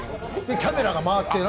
キャメラが回ってな。